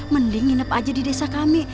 mending nginep aja di desa kami